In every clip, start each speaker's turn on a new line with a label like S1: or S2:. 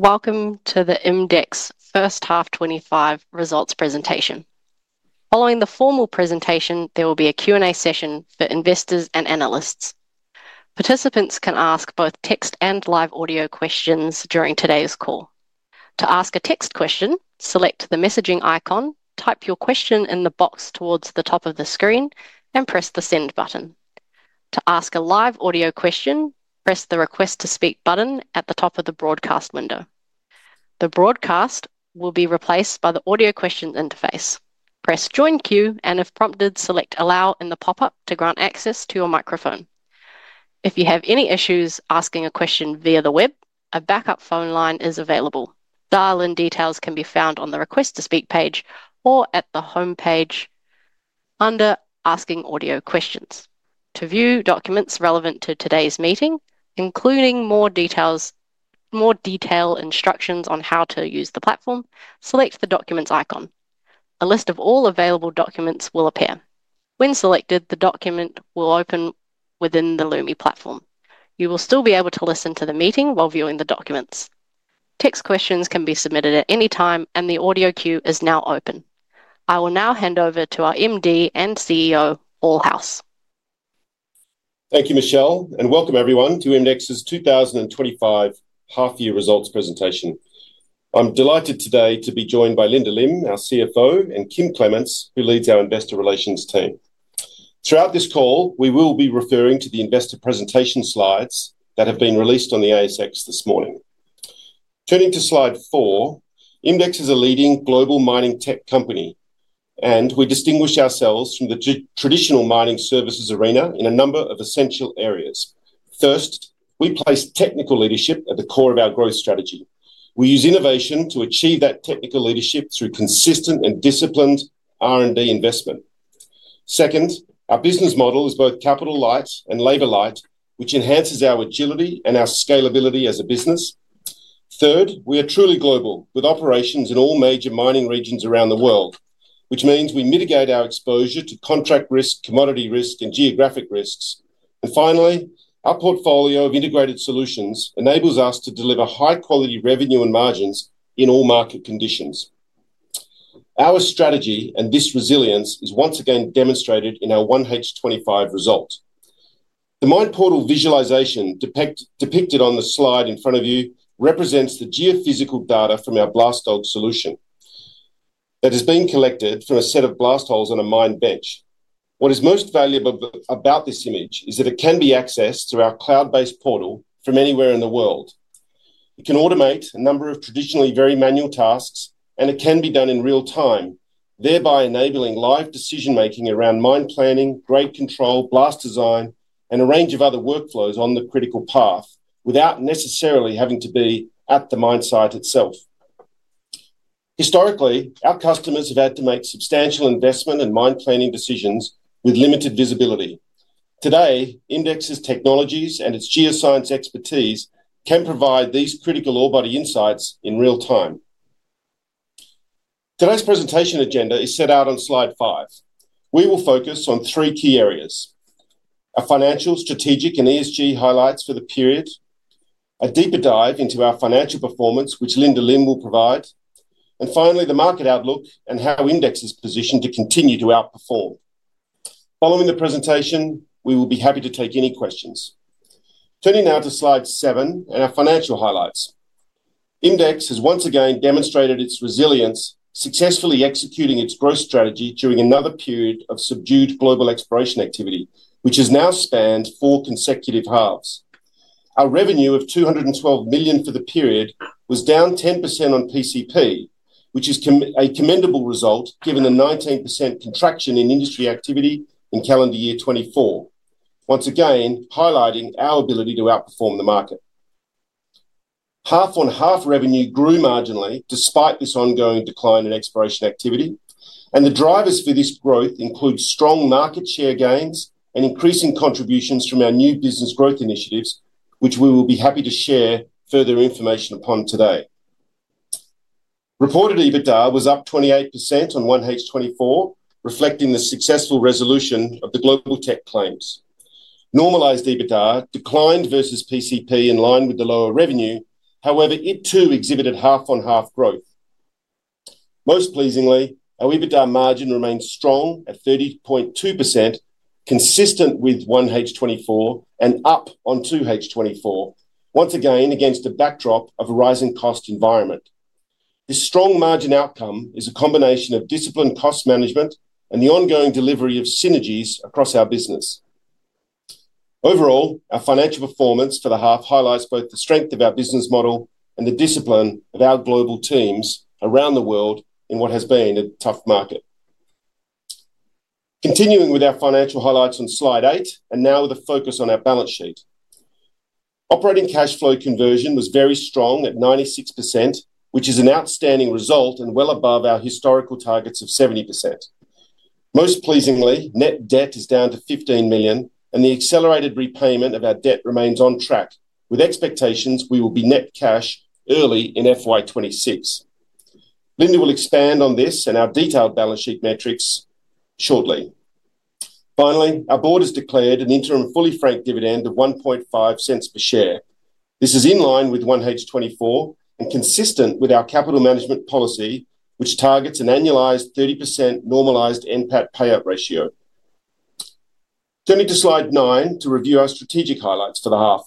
S1: Welcome to the IMDEX First Half 2025 results presentation. Following the formal presentation, there will be a Q&A session for investors and analysts. Participants can ask both text and live audio questions during today's call. To ask a text question, select the messaging icon, type your question in the box towards the top of the screen, and press the send button. To ask a live audio question, press the request to speak button at the top of the broadcast window. The broadcast will be replaced by the audio questions interface. Press join queue, and if prompted, select allow in the pop-up to grant access to your microphone. If you have any issues asking a question via the web, a backup phone line is available. Dial-in details can be found on the request to speak page or at the homepage under asking audio questions. To view documents relevant to today's meeting, including more detailed instructions on how to use the platform, select the documents icon. A list of all available documents will appear. When selected, the document will open within the Lumi platform. You will still be able to listen to the meeting while viewing the documents. Text questions can be submitted at any time, and the audio queue is now open. I will now hand over to our MD and CEO, Paul House.
S2: Thank you, Michelle, and welcome everyone to IMDEX's 2025 half-year results presentation. I'm delighted today to be joined by Linda Lim, our CFO, and Kim Clements, who leads our investor relations team. Throughout this call, we will be referring to the investor presentation slides that have been released on the ASX this morning. Turning to slide four, IMDEX is a leading global mining tech company, and we distinguish ourselves from the traditional mining services arena in a number of essential areas. First, we place technical leadership at the core of our growth strategy. We use innovation to achieve that technical leadership through consistent and disciplined R&D investment. Second, our business model is both capital light and labor light, which enhances our agility and our scalability as a business. Third, we are truly global with operations in all major mining regions around the world, which means we mitigate our exposure to contract risk, commodity risk, and geographic risks. And finally, our portfolio of integrated solutions enables us to deliver high-quality revenue and margins in all market conditions. Our strategy and this resilience is once again demonstrated in our 1H25 result. The visualization depicted on the slide in front of you represents the geophysical data from our BLASTDOG solution that has been collected from a set of blast holes on a mine bench. What is most valuable about this image is that it can be accessed through our cloud-based portal from anywhere in the world. It can automate a number of traditionally very manual tasks, and it can be done in real time, thereby enabling live decision-making around mine planning, grade control, blast design, and a range of other workflows on the critical path without necessarily having to be at the mine site itself. Historically, our customers have had to make substantial investment and mine planning decisions with limited visibility. Today, IMDEX's technologies and its geoscience expertise can provide these critical ore body insights in real time. Today's presentation agenda is set out on slide five. We will focus on three key areas: our financial, strategic, and ESG highlights for the period, a deeper dive into our financial performance, which Linda Lim will provide, and finally, the market outlook and how IMDEX is positioned to continue to outperform. Following the presentation, we will be happy to take any questions. Turning now to slide seven and our financial highlights. IMDEX has once again demonstrated its resilience, successfully executing its growth strategy during another period of subdued global exploration activity, which has now spanned four consecutive halves. Our revenue of 212 million for the period was down 10% on PCP, which is a commendable result given the 19% contraction in industry activity in calendar year 2024, once again highlighting our ability to outperform the market. Half-on-half revenue grew marginally despite this ongoing decline in exploration activity, and the drivers for this growth include strong market share gains and increasing contributions from our new business growth initiatives, which we will be happy to share further information upon today. Reported EBITDA was up 28% on 1H24, reflecting the successful resolution of the Globaltech claims. Normalized EBITDA declined versus PCP in line with the lower revenue. However, it too exhibited half-on-half growth. Most pleasingly, our EBITDA margin remained strong at 30.2%, consistent with 1H24 and up on 2H24, once again against a backdrop of a rising cost environment. This strong margin outcome is a combination of disciplined cost management and the ongoing delivery of synergies across our business. Overall, our financial performance for the half highlights both the strength of our business model and the discipline of our global teams around the world in what has been a tough market. Continuing with our financial highlights on slide eight, and now with a focus on our balance sheet. Operating cash flow conversion was very strong at 96%, which is an outstanding result and well above our historical targets of 70%. Most pleasingly, net debt is down to 15 million, and the accelerated repayment of our debt remains on track, with expectations we will be net cash early in FY26. Linda will expand on this and our detailed balance sheet metrics shortly. Finally, our board has declared an interim fully franked dividend of 0.015 per share. This is in line with 1H24 and consistent with our capital management policy, which targets an annualized 30% normalized NPAT payout ratio. Turning to slide nine to review our strategic highlights for the half.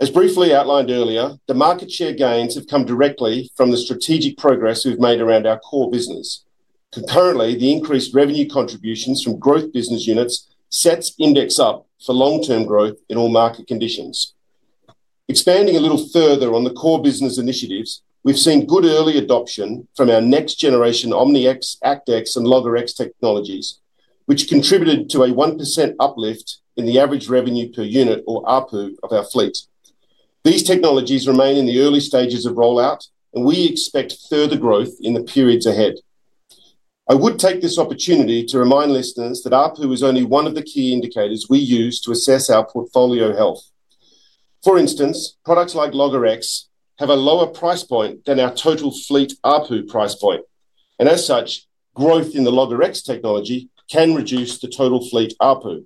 S2: As briefly outlined earlier, the market share gains have come directly from the strategic progress we've made around our core business. Concurrently, the increased revenue contributions from growth business units set IMDEX up for long-term growth in all market conditions. Expanding a little further on the core business initiatives, we've seen good early adoption from our next generation OMNI-X, ACT-X, and LOGGER-X technologies, which contributed to a 1% uplift in the average revenue per unit, or ARPU, of our fleet. These technologies remain in the early stages of rollout, and we expect further growth in the periods ahead. I would take this opportunity to remind listeners that ARPU is only one of the key indicators we use to assess our portfolio health. For instance, products like LOGGER-X have a lower price point than our total fleet ARPU price point, and as such, growth in the LOGGER-X technology can reduce the total fleet ARPU.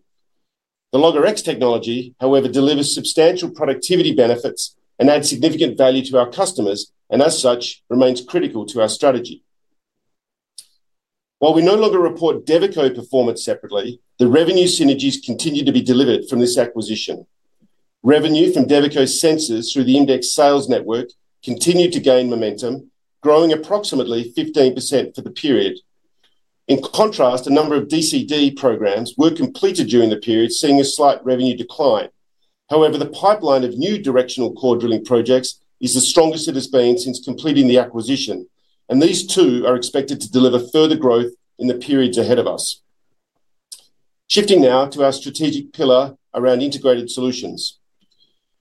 S2: The LOGGER-X technology, however, delivers substantial productivity benefits and adds significant value to our customers, and as such, remains critical to our strategy. While we no longer report Devico performance separately, the revenue synergies continue to be delivered from this acquisition. Revenue from Devico's sensors through the IMDEX sales network continued to gain momentum, growing approximately 15% for the period. In contrast, a number of DCD programs were completed during the period, seeing a slight revenue decline. However, the pipeline of new Directional Core Drilling projects is the strongest it has been since completing the acquisition, and these too are expected to deliver further growth in the periods ahead of us. Shifting now to our strategic pillar around integrated solutions.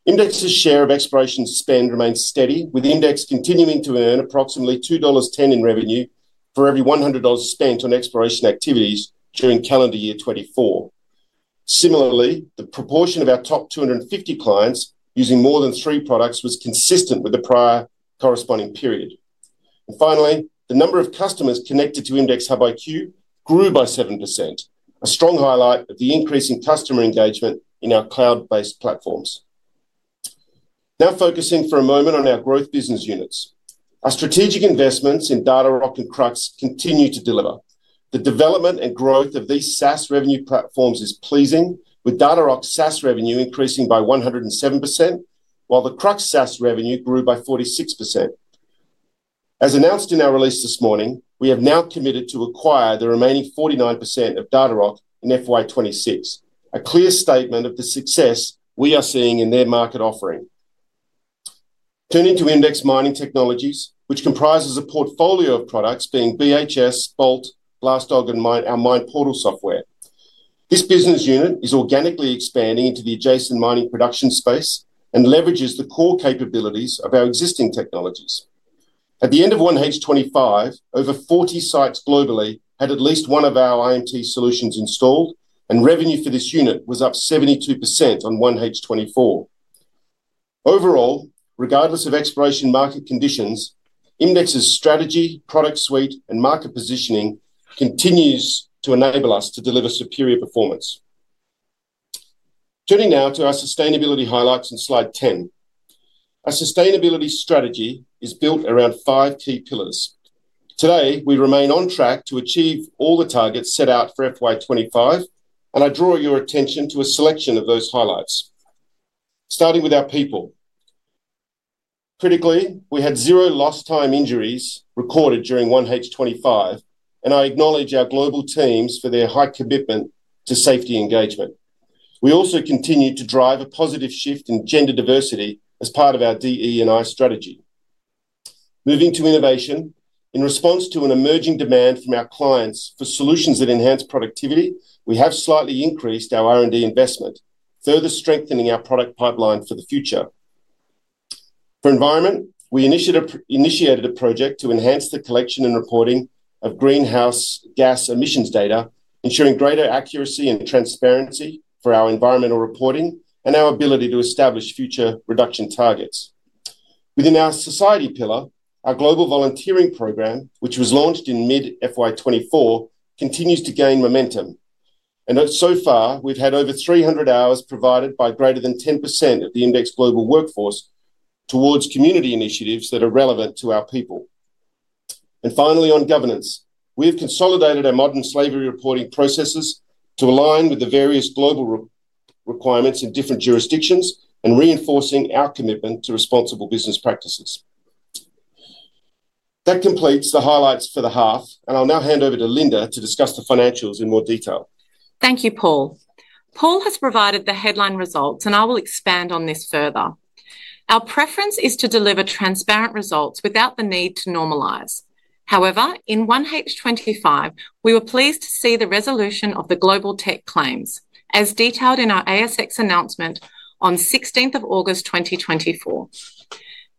S2: IMDEX's share of exploration spend remains steady, with IMDEX continuing to earn approximately 2.10 dollars in revenue for every 100 dollars spent on exploration activities during calendar year 2024. Similarly, the proportion of our top 250 clients using more than three products was consistent with the prior corresponding period. And finally, the number of customers connected to IMDEX HUB-IQ grew by 7%, a strong highlight of the increasing customer engagement in our cloud-based platforms. Now focusing for a moment on our growth business units. Our strategic investments in and continue to deliver. The development and growth of these SaaS revenue platforms is pleasing, with Datarock's SaaS revenue increasing by 107%, while the Krux SaaS revenue grew by 46%. As announced in our release this morning, we have now committed to acquire the remaining 49% of Datarock in FY26, a clear statement of the success we are seeing in their market offering. Turning to IMDEX Mining Technologies, which comprises a portfolio of products being BHS, BOLT, BLASTDOG, andMinePortal software. This business unit is organically expanding into the adjacent mining production space and leverages the core capabilities of our existing technologies. At the end of 1H25, over 40 sites globally had at least one of our IMT solutions installed, and revenue for this unit was up 72% on 1H24. Overall, regardless of exploration market conditions, IMDEX's strategy, product suite, and market positioning continues to enable us to deliver superior performance. Turning now to our sustainability highlights in slide 10. Our sustainability strategy is built around five key pillars. Today, we remain on track to achieve all the targets set out for FY25, and I draw your attention to a selection of those highlights, starting with our people. Critically, we had zero lost-time injuries recorded during 1H25, and I acknowledge our global teams for their high commitment to safety engagement. We also continue to drive a positive shift in gender diversity as part of our DE&I strategy. Moving to innovation, in response to an emerging demand from our clients for solutions that enhance productivity, we have slightly increased our R&D investment, further strengthening our product pipeline for the future. For environment, we initiated a project to enhance the collection and reporting of greenhouse gas emissions data, ensuring greater accuracy and transparency for our environmental reporting and our ability to establish future reduction targets. Within our society pillar, our global volunteering program, which was launched in mid-FY24, continues to gain momentum, and so far, we've had over 300 hours provided by greater than 10% of the IMDEX global workforce towards community initiatives that are relevant to our people. And finally, on governance, we have consolidated our modern slavery reporting processes to align with the various global requirements in different jurisdictions, reinforcing our commitment to responsible business practices. That completes the highlights for the half, and I'll now hand over to Linda to discuss the financials in more detail.
S3: Thank you, Paul. Paul has provided the headline results, and I will expand on this further. Our preference is to deliver transparent results without the need to normalize. However, in 1H25, we were pleased to see the resolution of the Globaltech claims, as detailed in our ASX announcement on 16 August 2024.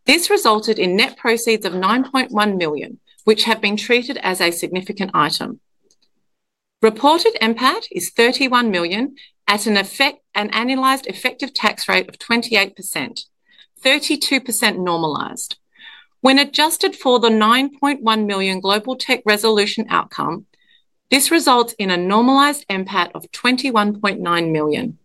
S3: This resulted in net proceeds of 9.1 million, which have been treated as a significant item. Reported NPAT is 31 million at an annualized effective tax rate of 28%, 32% normalized. When adjusted for the 9.1 million Globaltech resolution outcome, this results in a normalized NPAT of AUD 21.9 million.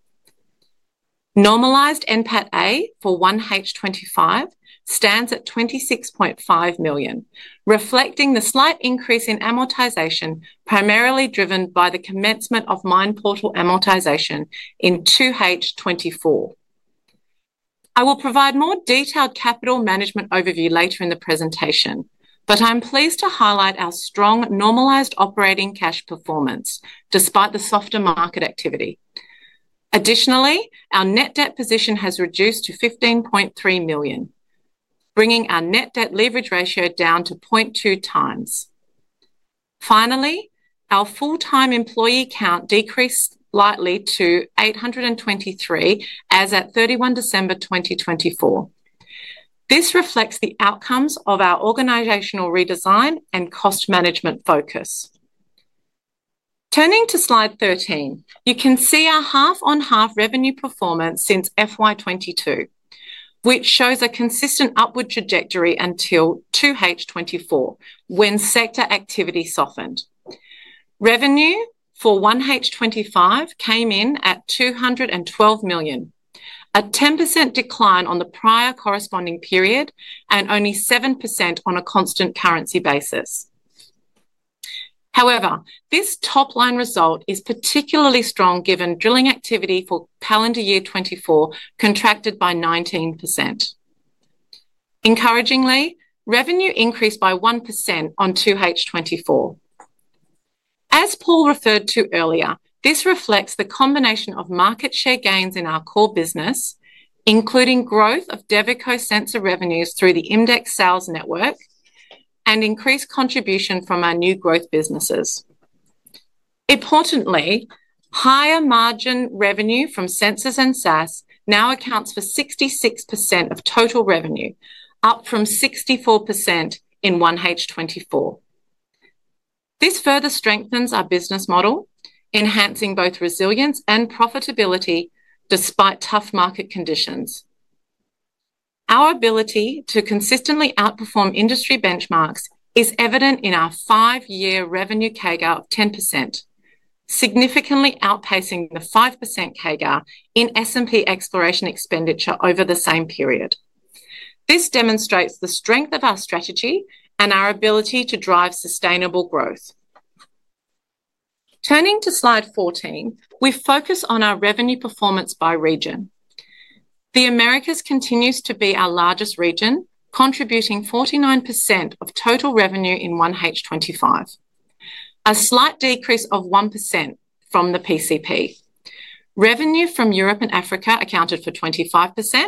S3: Normalized NPAT-A for 1H25 stands at 26.5 million, reflecting the slight increase in amortization primarily driven by the commencement of MinePortal amortization in 2H24. I will provide more detailed capital management overview later in the presentation, but I'm pleased to highlight our strong normalized operating cash performance despite the softer market activity. Additionally, our net debt position has reduced to 15.3 million, bringing our net debt leverage ratio down to 0.2 times. Finally, our full-time employee count decreased slightly to 823 as at 31 December 2024. This reflects the outcomes of our organizational redesign and cost management focus. Turning to slide 13, you can see our half-on-half revenue performance since FY22, which shows a consistent upward trajectory until 2H24 when sector activity softened. Revenue for 1H25 came in at 212 million, a 10% decline on the prior corresponding period and only 7% on a constant currency basis. However, this top-line result is particularly strong given drilling activity for calendar year 2024 contracted by 19%. Encouragingly, revenue increased by 1% on 2H24. As Paul referred to earlier, this reflects the combination of market share gains in our core business, including growth of Devico sensor revenues through the IMDEX sales network and increased contribution from our new growth businesses. Importantly, higher margin revenue from sensors and SaaS now accounts for 66% of total revenue, up from 64% in 1H24. This further strengthens our business model, enhancing both resilience and profitability despite tough market conditions. Our ability to consistently outperform industry benchmarks is evident in our five-year revenue CAGR of 10%, significantly outpacing the 5% CAGR in S&P exploration expenditure over the same period. This demonstrates the strength of our strategy and our ability to drive sustainable growth. Turning to slide 14, we focus on our revenue performance by region. The Americas continues to be our largest region, contributing 49% of total revenue in 1H25, a slight decrease of 1% from the PCP. Revenue from Europe and Africa accounted for 25%,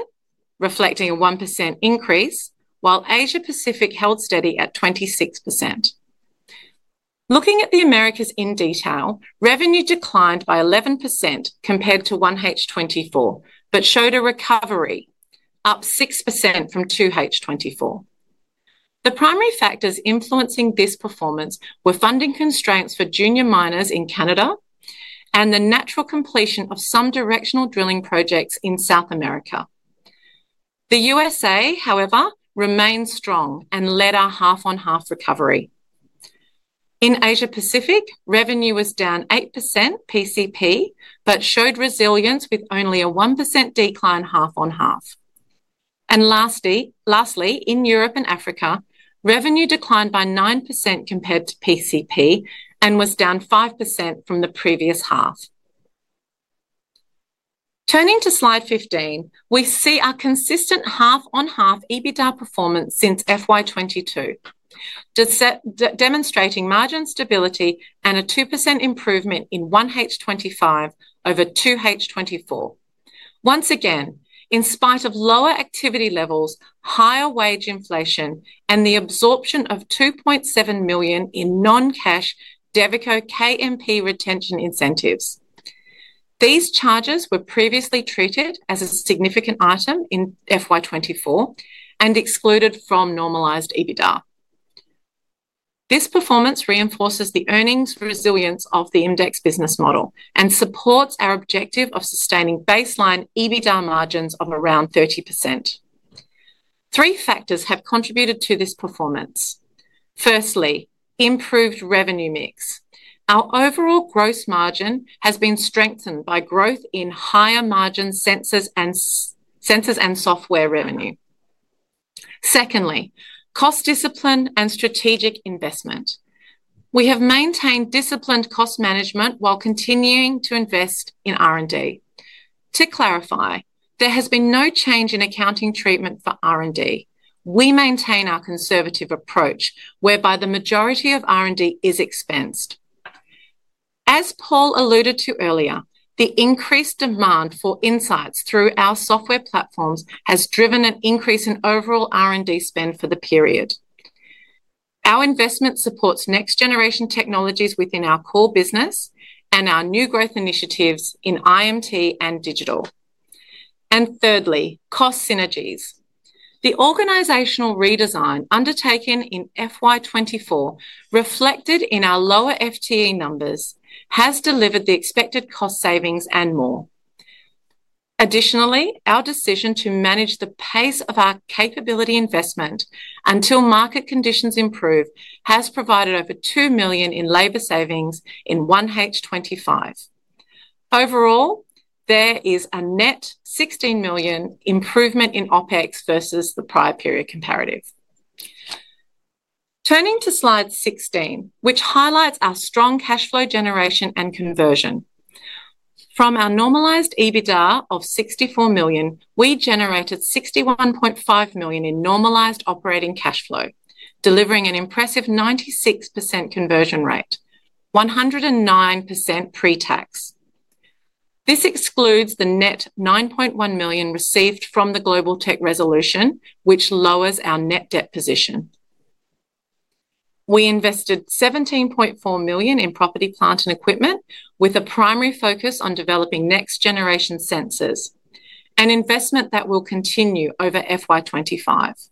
S3: reflecting a 1% increase, while Asia-Pacific held steady at 26%. Looking at the Americas in detail, revenue declined by 11% compared to 1H24, but showed a recovery, up 6% from 2H24. The primary factors influencing this performance were funding constraints for junior miners in Canada and the natural completion of some directional drilling projects in South America. The USA, however, remained strong and led our half-on-half recovery. In Asia-Pacific, revenue was down 8% PCP, but showed resilience with only a 1% decline half-on-half. And lastly, in Europe and Africa, revenue declined by 9% compared to PCP and was down 5% from the previous half. Turning to slide 15, we see our consistent half-on-half EBITDA performance since FY22, demonstrating margin stability and a 2% improvement in 1H25 over 2H24. Once again, in spite of lower activity levels, higher wage inflation, and the absorption of 2.7 million in non-cash Devico KMP retention incentives, these charges were previously treated as a significant item in FY24 and excluded from normalized EBITDA. This performance reinforces the earnings resilience of the IMDEX business model and supports our objective of sustaining baseline EBITDA margins of around 30%. Three factors have contributed to this performance. Firstly, improved revenue mix. Our overall gross margin has been strengthened by growth in higher margin sensors and software revenue. Secondly, cost discipline and strategic investment. We have maintained disciplined cost management while continuing to invest in R&D. To clarify, there has been no change in accounting treatment for R&D. We maintain our conservative approach, whereby the majority of R&D is expensed. As Paul alluded to earlier, the increased demand for insights through our software platforms has driven an increase in overall R&D spend for the period. Our investment supports next-generation technologies within our core business and our new growth initiatives in IMT and digital. And thirdly, cost synergies. The organizational redesign undertaken in FY24, reflected in our lower FTE numbers, has delivered the expected cost savings and more. Additionally, our decision to manage the pace of our capability investment until market conditions improve has provided over 2 million in labor savings in 1H25. Overall, there is a net 16 million improvement in OpEx versus the prior period comparative. Turning to slide 16, which highlights our strong cash flow generation and conversion. From our normalized EBITDA of 64 million, we generated 61.5 million in normalized operating cash flow, delivering an impressive 96% conversion rate, 109% pre-tax. This excludes the net 9.1 million received from the Globaltech resolution, which lowers our net debt position. We invested 17.4 million in property plant and equipment, with a primary focus on developing next-generation sensors, an investment that will continue over FY25.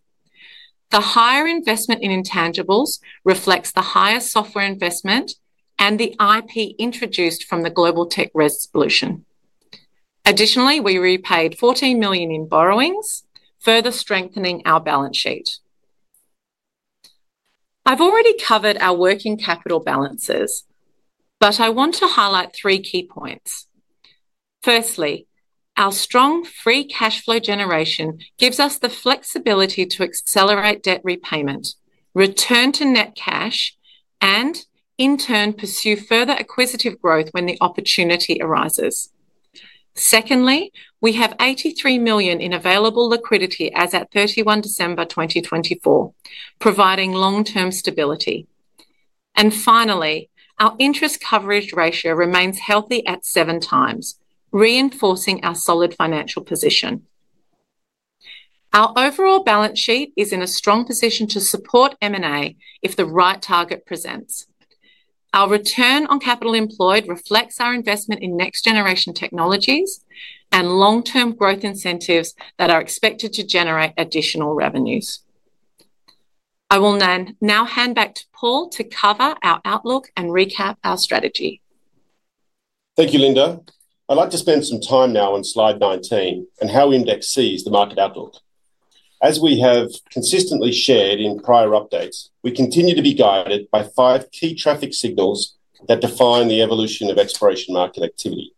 S3: The higher investment in intangibles reflects the higher software investment and the IP introduced from the Globaltech resolution. Additionally, we repaid 14 million in borrowings, further strengthening our balance sheet. I've already covered our working capital balances, but I want to highlight three key points. Firstly, our strong free cash flow generation gives us the flexibility to accelerate debt repayment, return to net cash, and in turn, pursue further acquisitive growth when the opportunity arises. Secondly, we have 83 million in available liquidity as at 31 December 2024, providing long-term stability. And finally, our interest coverage ratio remains healthy at seven times, reinforcing our solid financial position. Our overall balance sheet is in a strong position to support M&A if the right target presents. Our return on capital employed reflects our investment in next-generation technologies and long-term growth incentives that are expected to generate additional revenues. I will now hand back to Paul to cover our outlook and recap our strategy.
S2: Thank you, Linda. I'd like to spend some time now on slide 19 and how IMDEX sees the market outlook. As we have consistently shared in prior updates, we continue to be guided by five key traffic signals that define the evolution of exploration market activity.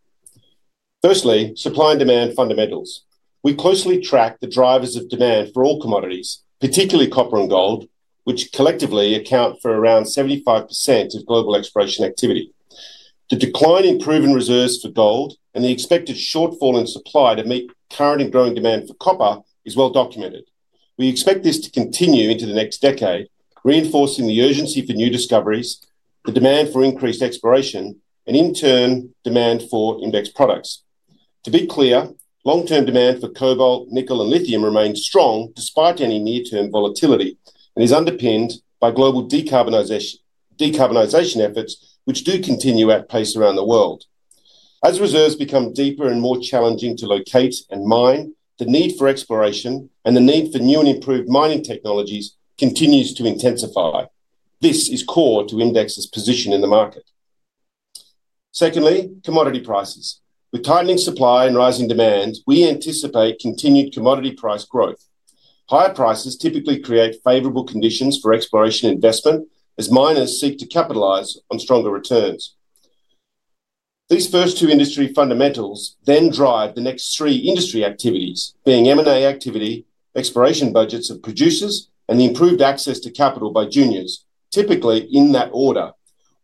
S2: Firstly, supply and demand fundamentals. We closely track the drivers of demand for all commodities, particularly copper and gold, which collectively account for around 75% of global exploration activity. The decline in proven reserves for gold and the expected shortfall in supply to meet current and growing demand for copper is well documented. We expect this to continue into the next decade, reinforcing the urgency for new discoveries, the demand for increased exploration, and in turn, demand for IMDEX products. To be clear, long-term demand for cobalt, nickel, and lithium remains strong despite any near-term volatility and is underpinned by global decarbonization efforts, which do continue at pace around the world. As reserves become deeper and more challenging to locate and mine, the need for exploration and the need for new and improved mining technologies continues to intensify. This is core to IMDEX's position in the market. Secondly, commodity prices. With tightening supply and rising demand, we anticipate continued commodity price growth. Higher prices typically create favorable conditions for exploration investment as miners seek to capitalize on stronger returns. These first two industry fundamentals then drive the next three industry activities, being M&A activity, exploration budgets of producers, and the improved access to capital by juniors, typically in that order,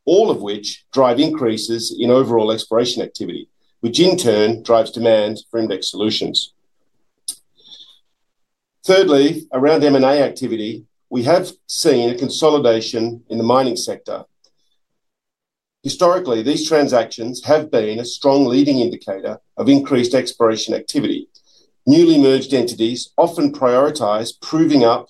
S2: all of which drive increases in overall exploration activity, which in turn drives demand for IMDEX solutions. Thirdly, around M&A activity, we have seen a consolidation in the mining sector. Historically, these transactions have been a strong leading indicator of increased exploration activity. Newly merged entities often prioritize proving up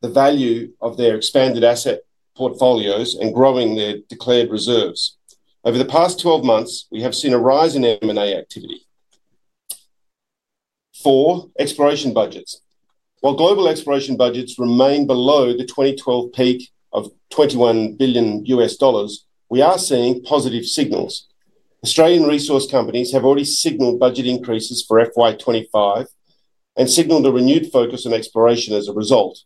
S2: the value of their expanded asset portfolios and growing their declared reserves. Over the past 12 months, we have seen a rise in M&A activity. Four, exploration budgets. While global exploration budgets remain below the 2012 peak of $21 billion, we are seeing positive signals. Australian resource companies have already signaled budget increases for FY25 and signaled a renewed focus on exploration as a result.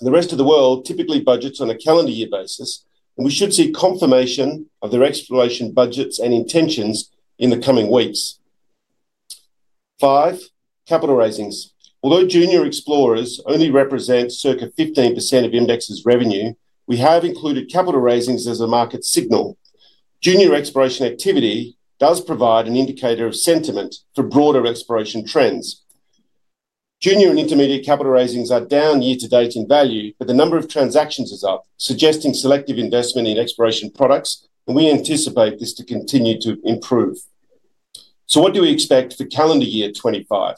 S2: The rest of the world typically budgets on a calendar year basis, and we should see confirmation of their exploration budgets and intentions in the coming weeks. Five, capital raisings. Although junior explorers only represent circa 15% of IMDEX's revenue, we have included capital raisings as a market signal. Junior exploration activity does provide an indicator of sentiment for broader exploration trends. Junior and intermediate capital raisings are down year-to-date in value, but the number of transactions is up, suggesting selective investment in exploration products, and we anticipate this to continue to improve. So what do we expect for calendar year 2025?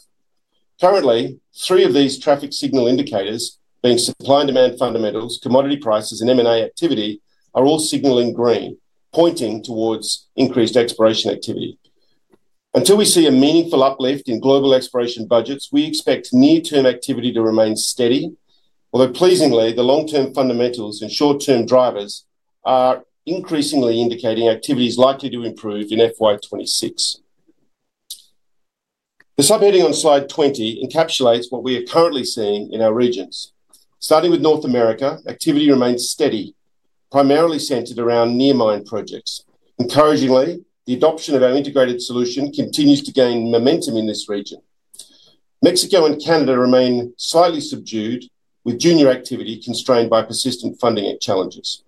S2: Currently, three of these traffic signal indicators, being supply and demand fundamentals, commodity prices, and M&A activity, are all signaling green, pointing towards increased exploration activity. Until we see a meaningful uplift in global exploration budgets, we expect near-term activity to remain steady, although pleasingly, the long-term fundamentals and short-term drivers are increasingly indicating activity is likely to improve in FY 2026. The subheading on slide 20 encapsulates what we are currently seeing in our regions. Starting with North America, activity remains steady, primarily centered around near-mine projects. Encouragingly, the adoption of our integrated solution continues to gain momentum in this region. Mexico and Canada remain slightly subdued, with junior activity constrained by persistent funding challenges.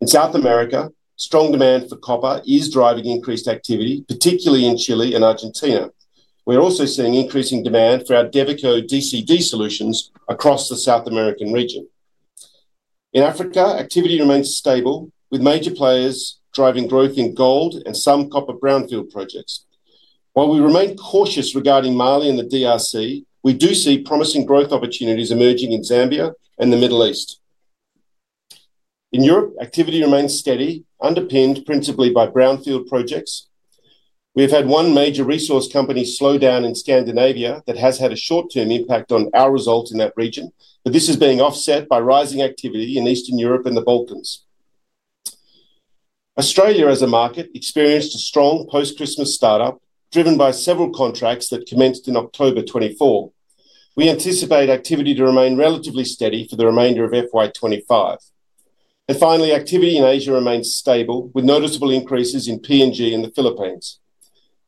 S2: In South America, strong demand for copper is driving increased activity, particularly in Chile and Argentina. We're also seeing increasing demand for our Devico DCD solutions across the South American region. In Africa, activity remains stable, with major players driving growth in gold and some copper brownfield projects. While we remain cautious regarding Mali and the DRC, we do see promising growth opportunities emerging in Zambia and the Middle East. In Europe, activity remains steady, underpinned principally by brownfield projects. We have had one major resource company slow down in Scandinavia that has had a short-term impact on our results in that region, but this is being offset by rising activity in Eastern Europe and the Balkans. Australia as a market experienced a strong post-Christmas startup, driven by several contracts that commenced in October 2024. We anticipate activity to remain relatively steady for the remainder of FY25. And finally, activity in Asia remains stable, with noticeable increases in PNG in the Philippines.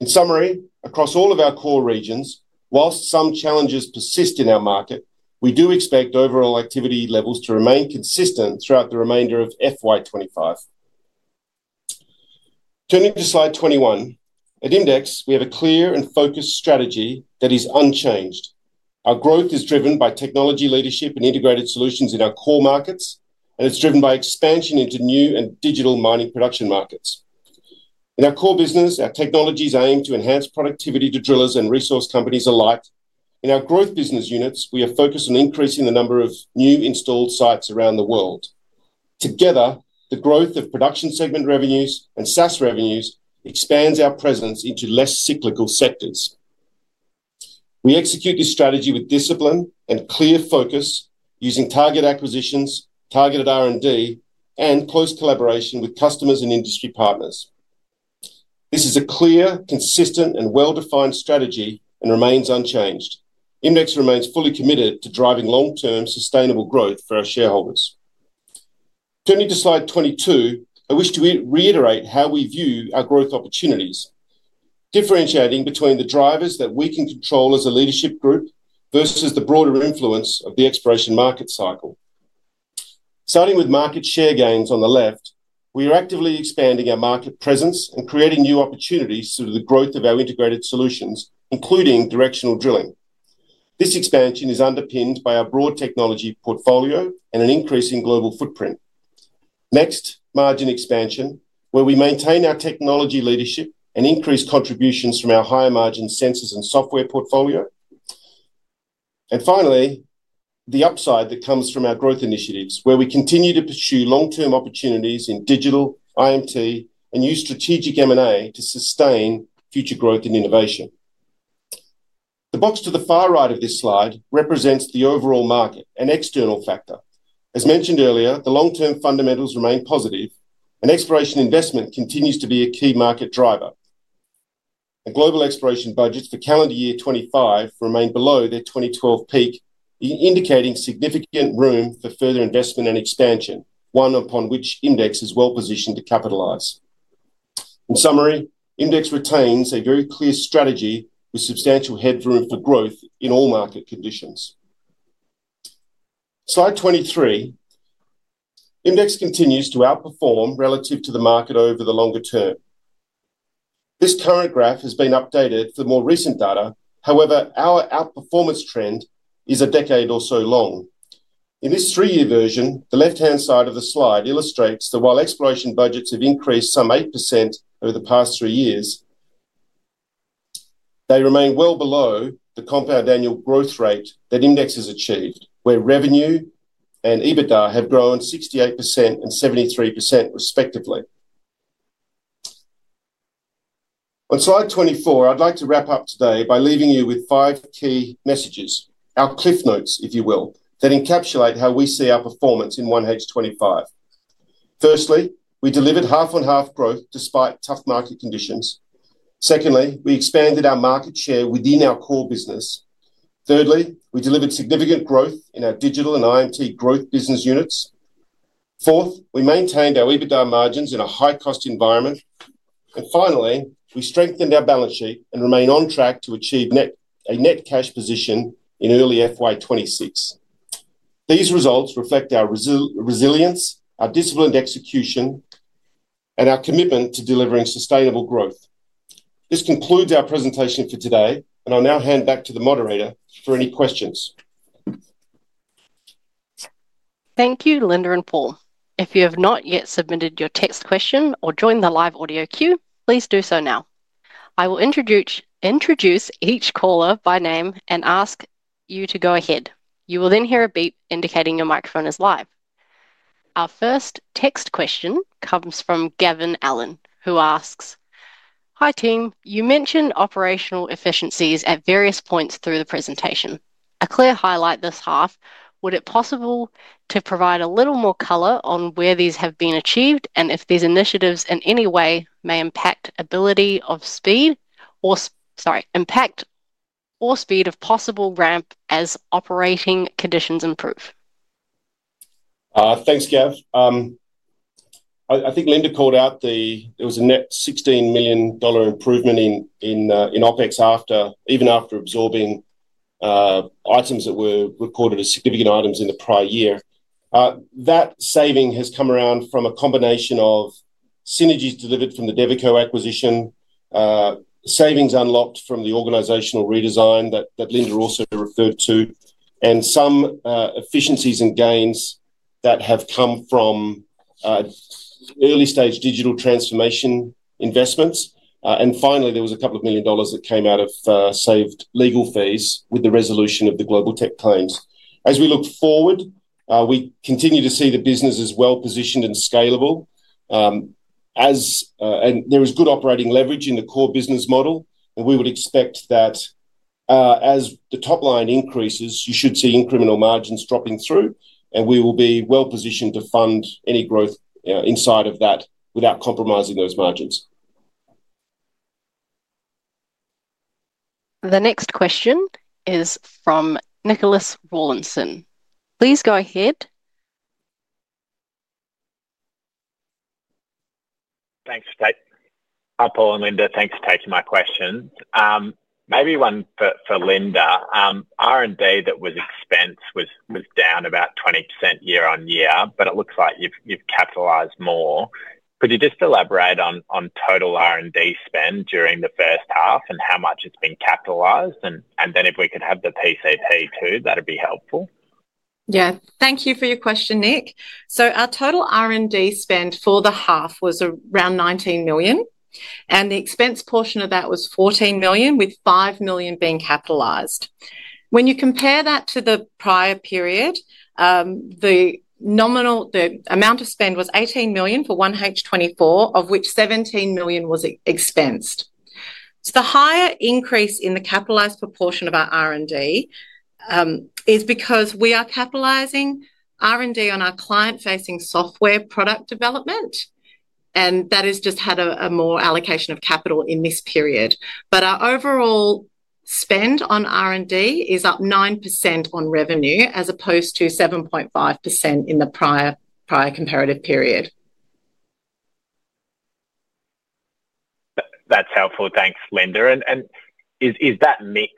S2: In summary, across all of our core regions, while some challenges persist in our market, we do expect overall activity levels to remain consistent throughout the remainder of FY25. Turning to slide 21, at IMDEX, we have a clear and focused strategy that is unchanged. Our growth is driven by technology leadership and integrated solutions in our core markets, and it's driven by expansion into new and digital mining production markets. In our core business, our technologies aim to enhance productivity to drillers and resource companies alike. In our growth business units, we are focused on increasing the number of new installed sites around the world. Together, the growth of production segment revenues and SaaS revenues expands our presence into less cyclical sectors. We execute this strategy with discipline and clear focus, using target acquisitions, targeted R&D, and close collaboration with customers and industry partners. This is a clear, consistent, and well-defined strategy and remains unchanged. IMDEX remains fully committed to driving long-term sustainable growth for our shareholders. Turning to slide 22, I wish to reiterate how we view our growth opportunities, differentiating between the drivers that we can control as a leadership group versus the broader influence of the exploration market cycle. Starting with market share gains on the left, we are actively expanding our market presence and creating new opportunities through the growth of our integrated solutions, including directional drilling. This expansion is underpinned by our broad technology portfolio and an increase in global footprint. Next, margin expansion, where we maintain our technology leadership and increase contributions from our higher-margin sensors and software portfolio, and finally, the upside that comes from our growth initiatives, where we continue to pursue long-term opportunities in digital, IMT, and new strategic M&A to sustain future growth and innovation. The box to the far right of this slide represents the overall market, an external factor. As mentioned earlier, the long-term fundamentals remain positive, and exploration investment continues to be a key market driver. The global exploration budgets for calendar year 2025 remain below their 2012 peak, indicating significant room for further investment and expansion, one upon which IMDEX is well-positioned to capitalize. In summary, IMDEX retains a very clear strategy with substantial headroom for growth in all market conditions. Slide 23, IMDEX continues to outperform relative to the market over the longer term. This current graph has been updated for more recent data. However, our outperformance trend is a decade or so long. In this three-year version, the left-hand side of the slide illustrates that while exploration budgets have increased some 8% over the past three years, they remain well below the compound annual growth rate that IMDEX has achieved, where revenue and EBITDA have grown 68% and 73% respectively. On slide 24, I'd like to wrap up today by leaving you with five key messages, our cliff notes, if you will, that encapsulate how we see our performance in 1H25. Firstly, we delivered half-on-half growth despite tough market conditions. Secondly, we expanded our market share within our core business. Thirdly, we delivered significant growth in our digital and IMT growth business units. Fourth, we maintained our EBITDA margins in a high-cost environment. And finally, we strengthened our balance sheet and remain on track to achieve a net cash position in early FY26. These results reflect our resilience, our disciplined execution, and our commitment to delivering sustainable growth. This concludes our presentation for today, and I'll now hand back to the moderator for any questions.
S1: Thank you, Linda and Paul. If you have not yet submitted your text question or joined the live audio cue, please do so now. I will introduce each caller by name and ask you to go ahead. You will then hear a beep indicating your microphone is live. Our first text question comes from Gavin Allen, who asks, "Hi team, you mentioned operational efficiencies at various points through the presentation. A clear highlight this half, would it be possible to provide a little more color on where these have been achieved and if these initiatives in any way may impact ability of speed or speed of possible ramp as operating conditions improve?
S2: Thanks, Gav. I think Linda called out that there was a net 16 million dollar improvement in OpEx even after absorbing items that were recorded as significant items in the prior year. That saving has come around from a combination of synergies delivered from the Devico acquisition, savings unlocked from the organizational redesign that Linda also referred to, and some efficiencies and gains that have come from early-stage digital transformation investments. And finally, there was 2 million dollars that came out of saved legal fees with the resolution of the Globaltech claims. As we look forward, we continue to see the business as well-positioned and scalable, and there is good operating leverage in the core business model, and we would expect that as the top line increases, you should see incremental margins dropping through, and we will be well-positioned to fund any growth inside of that without compromising those margins.
S1: The next question is from Nicholas Rawlinson. Please go ahead. Thanks, Paul and Linda. Thanks for taking my question. Maybe one for Linda. R&D that was expensed was down about 20% year on year, but it looks like you've capitalized more. Could you just elaborate on total R&D spend during the first half and how much has been capitalized? And then if we could have the PCP too, that would be helpful.
S3: Yeah. Thank you for your question, Nick. So our total R&D spend for the half was around 19 million, and the expense portion of that was 14 million, with 5 million being capitalized. When you compare that to the prior period, the amount of spend was 18 million for 1H24, of which 17 million was expensed. So the higher increase in the capitalized proportion of our R&D is because we are capitalizing R&D on our client-facing software product development, and that has just had a more allocation of capital in this period. But our overall spend on R&D is up 9% on revenue as opposed to 7.5% in the prior comparative period. That's helpful. Thanks, Linda. And is that mix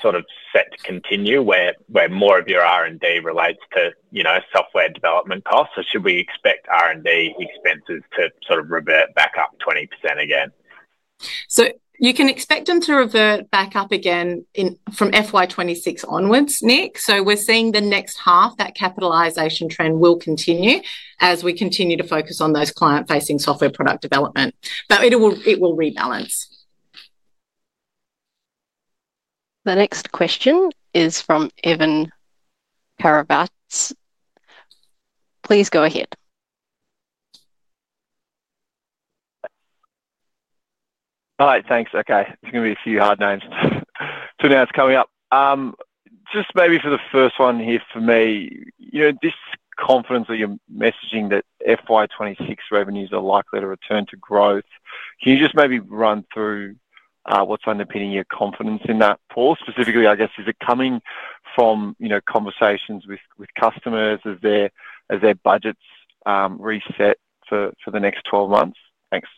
S3: sort of set to continue where more of your R&D relates to software development costs? Or should we expect R&D expenses to sort of revert back up 20% again? So you can expect them to revert back up again from FY26 onwards, Nick. So we're seeing the next half that capitalization trend will continue as we continue to focus on those client-facing software product development, but it will rebalance.
S1: The next question is from Evan Karatzas. Please go ahead. All right. Thanks. Okay. There's going to be a few hard names. So now it's coming up. Just maybe for the first one here for me, this confidence that you're messaging that FY26 revenues are likely to return to growth, can you just maybe run through what's underpinning your confidence in that, Paul? Specifically, I guess, is it coming from conversations with customers? Is there budgets reset for the next 12 months? Thanks.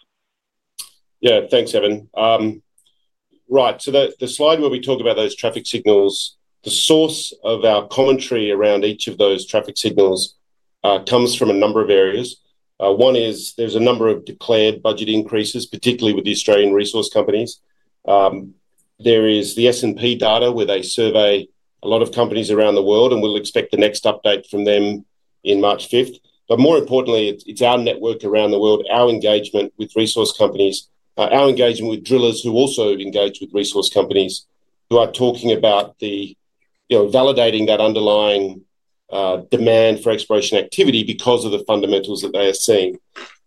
S2: Yeah. Thanks, Evan. Right. So the slide where we talk about those traffic signals, the source of our commentary around each of those traffic signals comes from a number of areas. One is there's a number of declared budget increases, particularly with the Australian resource companies. There is the S&P data where they survey a lot of companies around the world, and we'll expect the next update from them in 5 March. But more importantly, it's our network around the world, our engagement with resource companies, our engagement with drillers who also engage with resource companies who are talking about validating that underlying demand for exploration activity because of the fundamentals that they are seeing.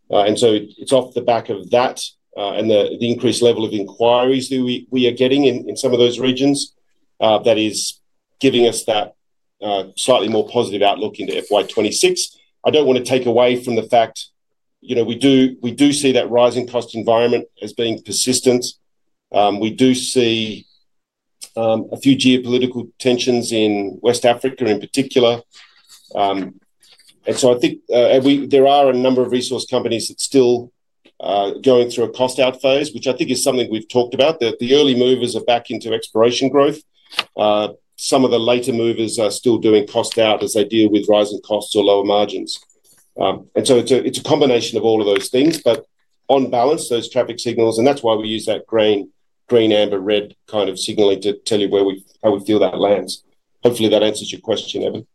S2: And so it's off the back of that and the increased level of inquiries that we are getting in some of those regions that is giving us that slightly more positive outlook into FY26. I don't want to take away from the fact we do see that rising cost environment as being persistent. We do see a few geopolitical tensions in West Africa in particular. And so I think there are a number of resource companies that are still going through a cost-out phase, which I think is something we've talked about. The early movers are back into exploration growth. Some of the later movers are still doing cost-out as they deal with rising costs or lower margins. And so it's a combination of all of those things, but on balance, those traffic signals, and that's why we use that green, amber, red kind of signaling to tell you how we feel that lands. Hopefully, that answers your question, Evan.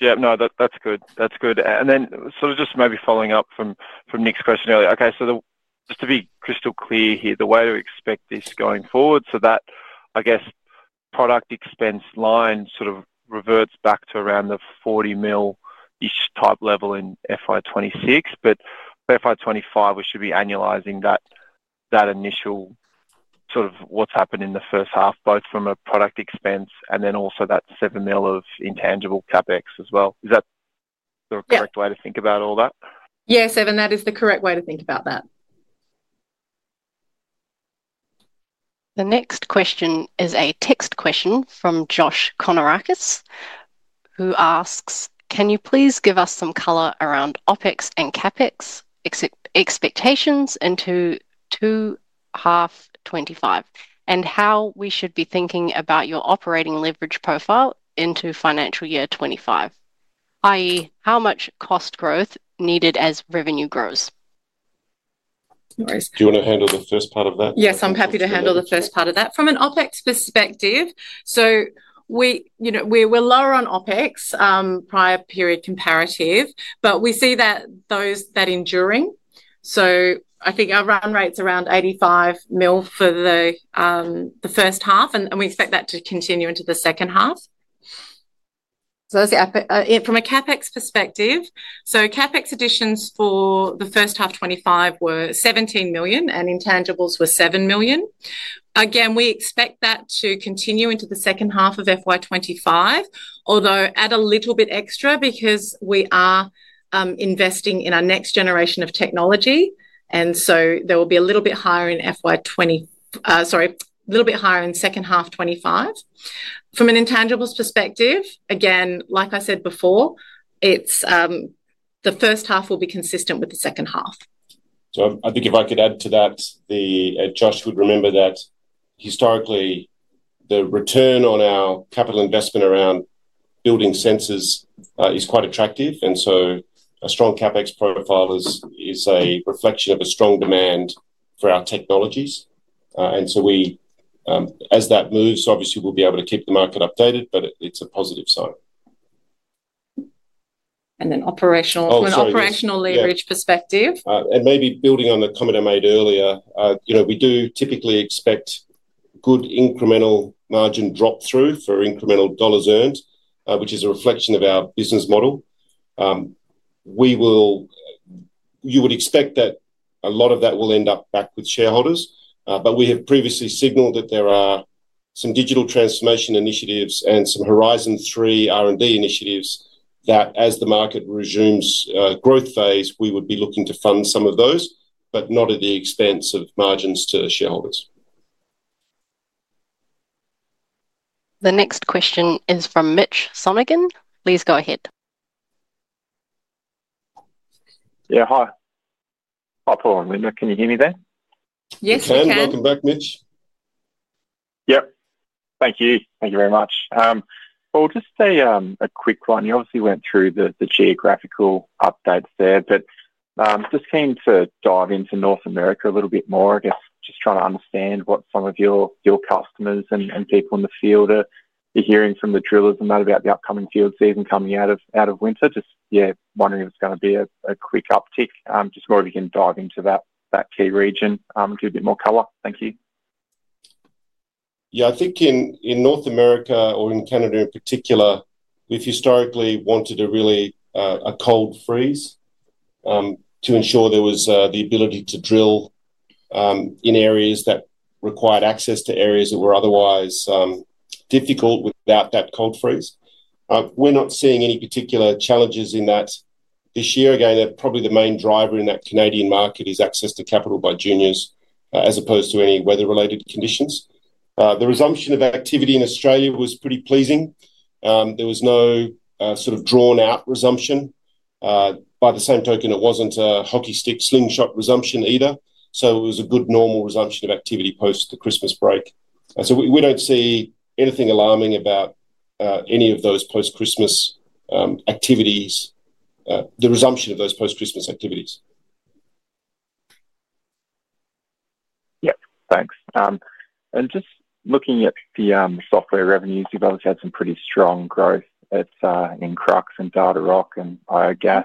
S2: Yep. Yeah. No, that's good. That's good. And then sort of just maybe following up from Nick's question earlier. Okay. So just to be crystal clear here, the way to expect this going forward, so that, I guess, product expense line sort of reverts back to around the 40 mil-ish type level in FY26, but FY25, we should be annualizing that initial sort of what's happened in the first half, both from a product expense and then also that 7 mil of intangible CapEx as well. Is that the correct way to think about all that?
S3: Yes, Evan. That is the correct way to think about that.
S1: The next question is a text question from Josh Kannourakis, who asks, "Can you please give us some color around OpEx and CapEx expectations into 2H25 and how we should be thinking about your operating leverage profile into financial year 2025, i.e., how much cost growth needed as revenue grows?
S2: Do you want to handle the first part of that?
S3: Yes, I'm happy to handle the first part of that. From an OpEx perspective, so we're lower on OpEx prior period comparative, but we see that enduring. So I think our run rate's around 85 million for the first half, and we expect that to continue into the second half. From a CapEx perspective, so CapEx additions for the first half 2025 were 17 million, and intangibles were 7 million. Again, we expect that to continue into the second half of FY 2025, although add a little bit extra because we are investing in our next generation of technology, and so there will be a little bit higher in FY 2020, sorry, a little bit higher in second half 2025. From an intangibles perspective, again, like I said before, the first half will be consistent with the second half.
S2: So I think if I could add to that, Josh would remember that historically, the return on our capital investment around building sensors is quite attractive, and so a strong CapEx profile is a reflection of a strong demand for our technologies. And so as that moves, obviously, we'll be able to keep the market updated, but it's a positive sign.
S3: And then from an operational leverage perspective.
S2: And maybe building on the comment I made earlier, we do typically expect good incremental margin drop-through for incremental dollars earned, which is a reflection of our business model. You would expect that a lot of that will end up back with shareholders, but we have previously signaled that there are some digital transformation initiatives and some Horizon three R&D initiatives that, as the market resumes growth phase, we would be looking to fund some of those, but not at the expense of margins to shareholders.
S1: The next question is from Mitch Sonogan. Please go ahead. Yeah. Hi. Hi, Paul and Linda. Can you hear me there?
S3: Yes, we can.
S2: Welcome back, Mitch. Yep. Thank you. Thank you very much. Paul, just a quick one. You obviously went through the geographical updates there, but just want to dive into North America a little bit more, I guess, just trying to understand what some of your customers and people in the field are hearing from the drillers about the upcoming field season coming out of winter. Just, yeah, wondering if it's going to be a quick uptick, just more if you can dive into that key region, give a bit more color. Thank you. Yeah. I think in North America or in Canada in particular, we've historically wanted a cold freeze to ensure there was the ability to drill in areas that required access to areas that were otherwise difficult without that cold freeze. We're not seeing any particular challenges in that this year. Again, probably the main driver in that Canadian market is access to capital by juniors as opposed to any weather-related conditions. The resumption of activity in Australia was pretty pleasing. There was no sort of drawn-out resumption. By the same token, it wasn't a hockey stick slingshot resumption either. So it was a good normal resumption of activity post the Christmas break. So we don't see anything alarming about any of those post-Christmas activities, the resumption of those post-Christmas activities. Yep. Thanks. And just looking at the software revenues, you've obviously had some pretty strong growth in Krux and Datarock and ioGAS.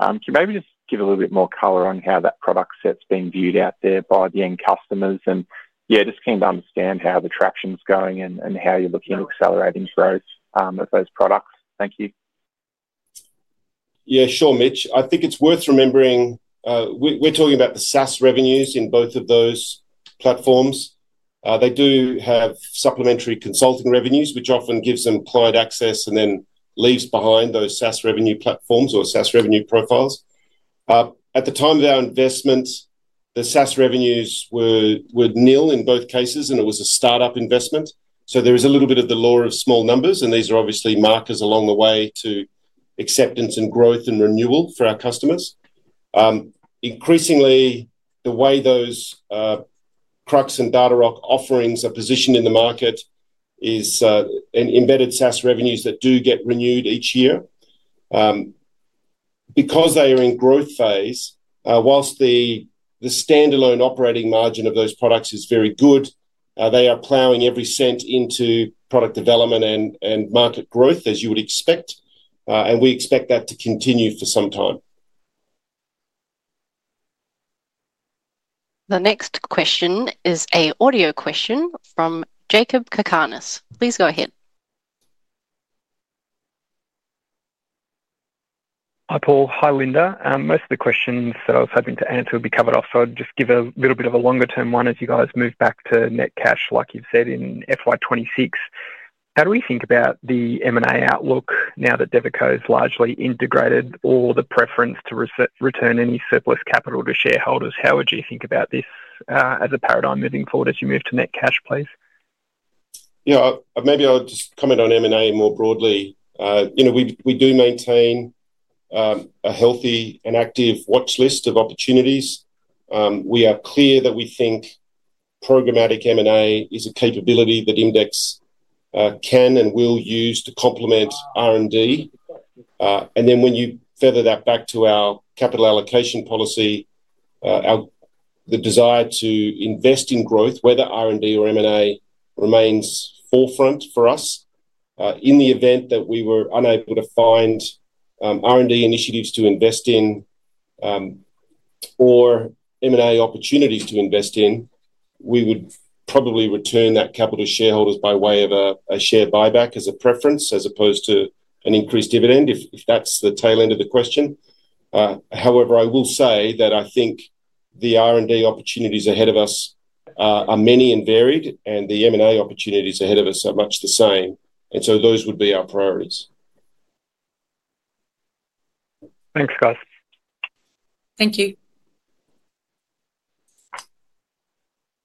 S2: Can you maybe just give a little bit more color on how that product set's being viewed out there by the end customers? And yeah, just came to understand how the traction's going and how you're looking at accelerating growth of those products. Thank you. Yeah. Sure, Mitch. I think it's worth remembering we're talking about the SaaS revenues in both of those platforms. They do have supplementary consulting revenues, which often gives them client access and then leaves behind those SaaS revenue platforms or SaaS revenue profiles. At the time of our investment, the SaaS revenues were nil in both cases, and it was a startup investment. So there is a little bit of the lure of small numbers, and these are obviously markers along the way to acceptance and growth and renewal for our customers. Increasingly, the way those Krux and Datarock offerings are positioned in the market is embedded SaaS revenues that do get renewed each year. Because they are in growth phase, while the standalone operating margin of those products is very good, they are plowing every cent into product development and market growth, as you would expect, and we expect that to continue for some time.
S1: The next question is an audio question from Jacob Kakanis. Please go ahead. Hi, Paul. Hi, Linda. Most of the questions that I was hoping to answer will be covered off. So I'll just give a little bit of a longer-term one as you guys move back to net cash, like you've said in FY26. How do we think about the M&A outlook now that Devico's largely integrated or the preference to return any surplus capital to shareholders? How would you think about this as a paradigm moving forward as you move to net cash, please?
S2: Yeah. Maybe I'll just comment on M&A more broadly. We do maintain a healthy and active watch list of opportunities. We are clear that we think programmatic M&A is a capability that IMDEX can and will use to complement R&D. And then when you feather that back to our capital allocation policy, the desire to invest in growth, whether R&D or M&A, remains forefront for us. In the event that we were unable to find R&D initiatives to invest in or M&A opportunities to invest in, we would probably return that capital to shareholders by way of a share buyback as a preference as opposed to an increased dividend, if that's the tail end of the question. However, I will say that I think the R&D opportunities ahead of us are many and varied, and the M&A opportunities ahead of us are much the same. Those would be our priorities. Thanks, guys.
S3: Thank you.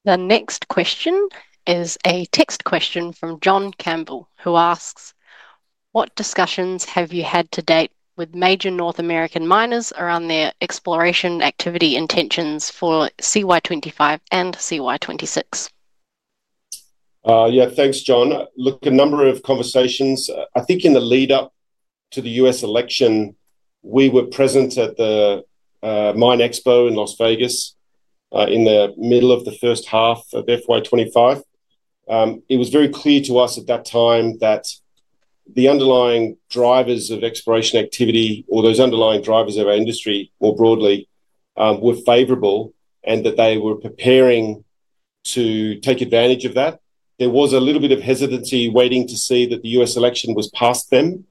S1: The next question is a text question from John Campbell, who asks, "What discussions have you had to date with major North American miners around their exploration activity intentions for CY25 and CY26?
S2: Yeah. Thanks, John. Look, a number of conversations. I think in the lead-up to the US election, we were present at the MINExpo in Las Vegas in the middle of the first half of FY25. It was very clear to us at that time that the underlying drivers of exploration activity or those underlying drivers of our industry more broadly were favorable and that they were preparing to take advantage of that. There was a little bit of hesitancy waiting to see that the US election was past them.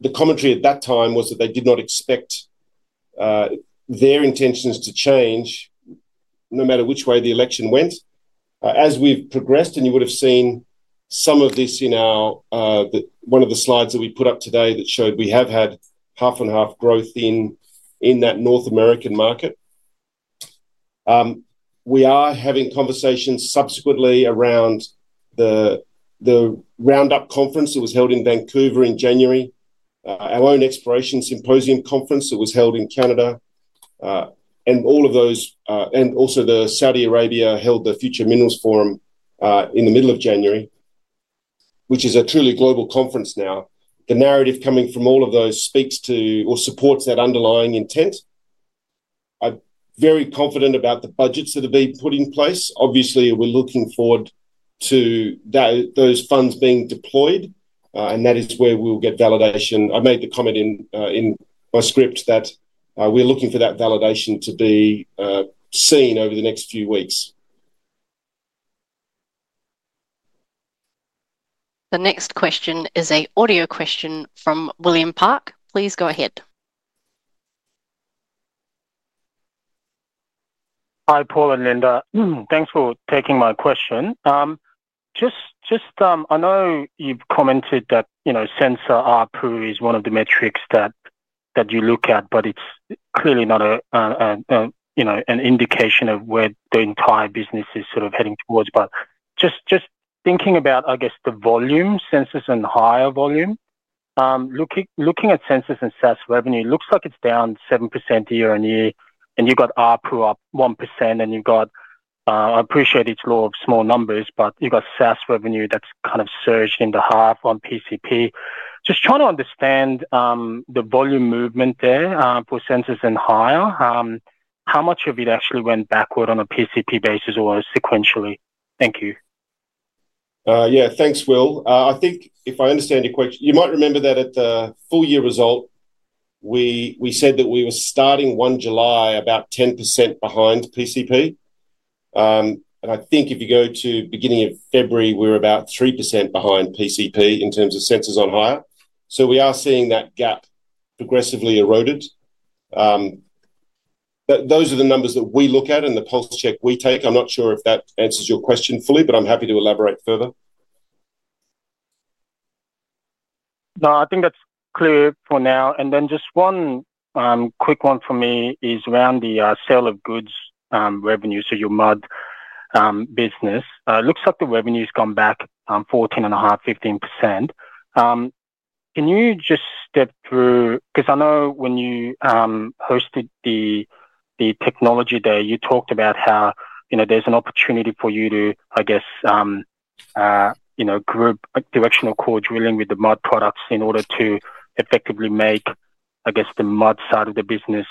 S2: The commentary at that time was that they did not expect their intentions to change no matter which way the election went. As we've progressed, and you would have seen some of this in one of the slides that we put up today that showed we have had half-and-half growth in that North American market. We are having conversations subsequently around the Roundup Conference that was held in Vancouver in January, our own Exploration Symposium Conference that was held in Canada, and all of those, and also the Saudi Arabia-held Future Minerals Forum in the middle of January, which is a truly global conference now. The narrative coming from all of those speaks to or supports that underlying intent. I'm very confident about the budgets that have been put in place. Obviously, we're looking forward to those funds being deployed, and that is where we'll get validation. I made the comment in my script that we're looking for that validation to be seen over the next few weeks.
S1: The next question is an audio question from William Park. Please go ahead. Hi, Paul and Linda. Thanks for taking my question. I know you've commented that sensor RPU is one of the metrics that you look at, but it's clearly not an indication of where the entire business is sort of heading towards. But just thinking about, I guess, the volume, Sensors on Hire volume, looking at sensors and SaaS revenue, it looks like it's down 7% year on year, and you've got RPU up 1%, and you've got I appreciate it's a lot of small numbers, but you've got SaaS revenue that's kind of surged in the half on PCP. Just trying to understand the volume movement there for Sensors on Hire, how much of it actually went backward on a PCP basis or sequentially? Thank you.
S2: Yeah. Thanks, Will. I think if I understand your question, you might remember that at the full year result, we said that we were starting 1 July about 10% behind PCP. And I think if you go to beginning of February, we're about 3% behind PCP in terms of sensors on hire. So we are seeing that gap progressively eroded. Those are the numbers that we look at and the pulse check we take. I'm not sure if that answers your question fully, but I'm happy to elaborate further. No, I think that's clear for now. And then just one quick one for me is around the sale of goods revenue, so your mud business. It looks like the revenue's gone back 14.5% to 15%. Can you just step through? Because I know when you hosted the Technology Day, you talked about how there's an opportunity for you to, I guess, group Directional Core Drilling with the mud products in order to effectively make, I guess, the mud side of the business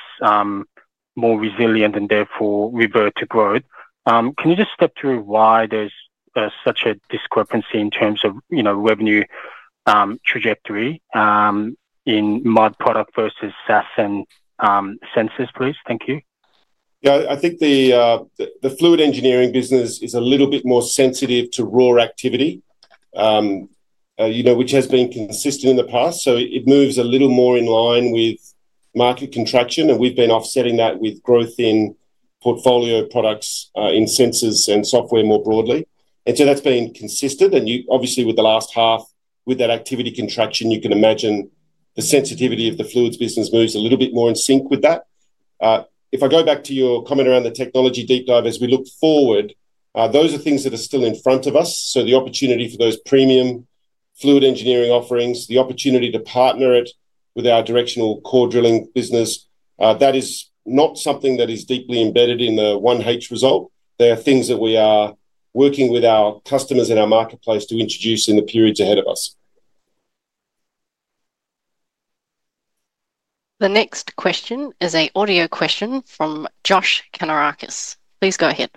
S2: more resilient and therefore revert to growth. Can you just step through why there's such a discrepancy in terms of revenue trajectory in mud product versus SaaS and sensors, please? Thank you. Yeah. I think the Fluid Engineering business is a little bit more sensitive to drill activity, which has been consistent in the past. So it moves a little more in line with market contraction, and we've been offsetting that with growth in portfolio products, in sensors and software more broadly. And so that's been consistent. And obviously, with the last half, with that activity contraction, you can imagine the sensitivity of the fluids business moves a little bit more in sync with that. If I go back to your comment around the Technology Deep Dive as we look forward, those are things that are still in front of us. So the opportunity for those premium Fluid Engineering offerings, the opportunity to partner it with our Directional Core Drilling business, that is not something that is deeply embedded in the 1H result. They are things that we are working with our customers in our marketplace to introduce in the periods ahead of us.
S1: The next question is an audio question from Josh Kannourakis. Please go ahead.